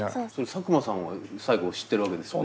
佐久間さんは最後を知ってるわけですよね。